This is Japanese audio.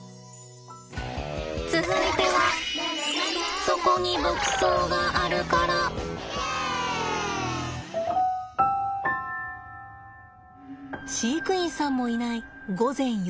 続いては飼育員さんもいない午前４時です。